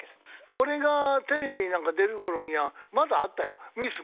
俺がテレビになんか出る頃にはまだあったよ。